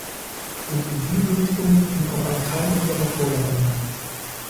Und in diese Richtung ging auch ein Teil unserer Forderungen.